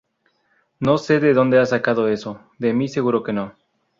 No sé de dónde has sacado eso. De mí seguro que no.